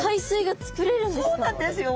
そうなんですよ。